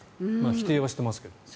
否定はしていますが。